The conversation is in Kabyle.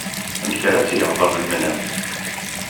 Amek ara tt-iɣḍer lemnam.